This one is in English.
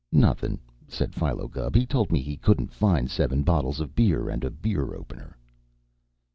"Nothin'," said Philo Gubb. "He told me he couldn't find seven bottles of beer and a beer opener."